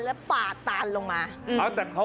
แล้วปาดตานลงมา